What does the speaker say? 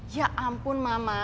ya ampun mama